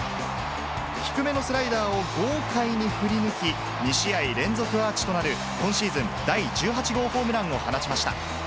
低めのスライダーを豪快に振り抜き、２試合連続アーチとなる今シーズン第１８号ホームランを放ちました。